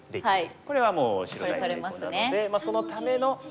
これはもう白が成功なのでそのためのハネに。